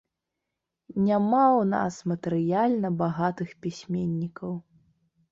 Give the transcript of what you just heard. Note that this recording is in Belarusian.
Няма ў нас матэрыяльна багатых пісьменнікаў.